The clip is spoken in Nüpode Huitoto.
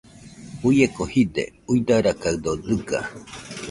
Uieko jide, uidarakaɨdo dɨga.